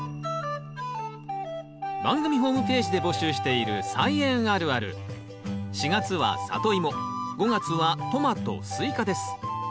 番組ホームページで募集している４月は「サトイモ」５月は「トマトスイカ」です。